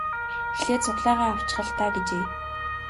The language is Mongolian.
Эхлээд сугалаагаа авчих л даа гэжээ.